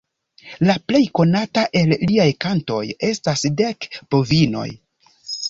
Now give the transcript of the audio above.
La plej konata el liaj kantoj estas Dek bovinoj.